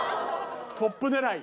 トップ狙い。